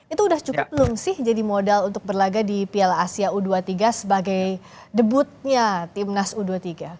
itu sudah cukup belum sih jadi modal untuk berlaga di piala asia u dua puluh tiga sebagai debutnya timnas u dua puluh tiga